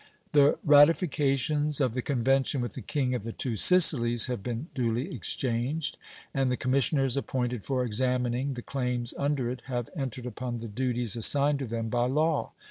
The ratifications of the convention with the King of the two Sicilies have been duly exchanged, and the commissioners appointed for examining the claims under it have entered upon the duties assigned to them by law.